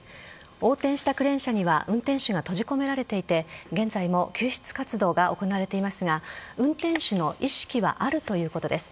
横転したクレーン車には運転手が閉じ込められていて現在も救出活動が続けられていますが運転手の意識はあるということです。